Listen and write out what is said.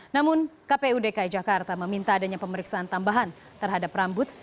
namun kpu dki jakarta meminta adanya pemeriksaan tambahan terhadap rambut